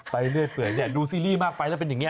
ไปเรื่อยดูซีรีส์มากไปแล้วเป็นอย่างนี้